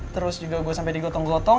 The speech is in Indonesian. terus juga gue sampai digotong gotong